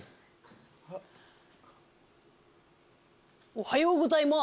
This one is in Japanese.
おはようございます。